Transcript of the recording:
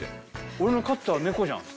俺の飼ってた猫じゃん！